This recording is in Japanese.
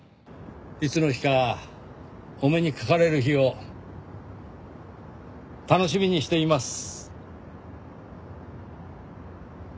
いつの日かお目にかかれる日を楽しみにしています。